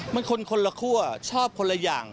มันคนคนละครัวชอบคนละอย่าง